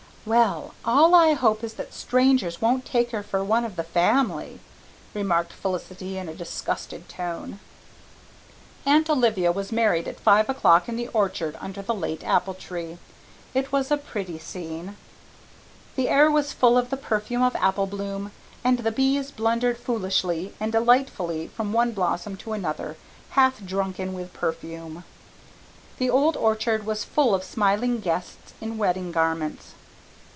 "Well, all I hope is that strangers won't take her for one of the family," remarked Felicity in a disgusted tone. Aunt Olivia was married at five o'clock in the orchard under the late apple tree. It was a pretty scene. The air was full of the perfume of apple bloom, and the bees blundered foolishly and delightfully from one blossom to another, half drunken with perfume. The old orchard was full of smiling guests in wedding garments.